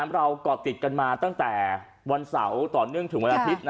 เราก่อติดกันมาตั้งแต่วันเสาร์ต่อเนื่องถึงวันอาทิตย์